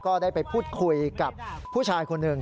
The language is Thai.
ก็ได้ไปพูดคุยกับผู้ชายคนหนึ่ง